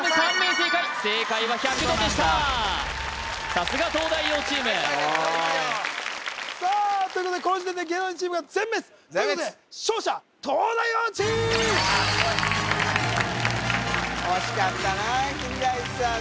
さすが東大王チームさあということでこの時点で芸能人チームが全滅全滅！ということで勝者東大王チーム惜しかったな金田一さん